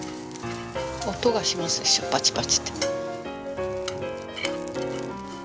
音がしますでしょパチパチと。